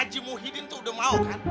haji muhyiddin tuh udah mau kan